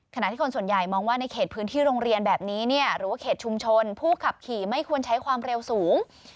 ขณะที่คนส่วนใหญ่มองว่าในเขตพื้นที่โรงเรียนแบบนี้เนี่ยหรือว่าเขตชุมชนผู้ขับขี่ไม่ควรใช้ความเร็วสูง